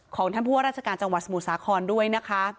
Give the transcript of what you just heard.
ของท่านผู้ว่าราชการจังหวัดสมุทรสาครด้วยนะคะ